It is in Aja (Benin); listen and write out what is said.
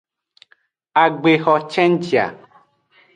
Agbexo cenji a.